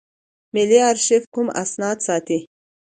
ملي آرشیف کوم اسناد ساتي؟